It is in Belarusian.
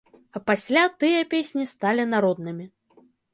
А пасля тыя песні сталі народнымі.